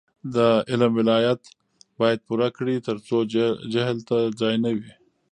د علم ولایت باید پوره کړي ترڅو جهل ته ځای نه وي.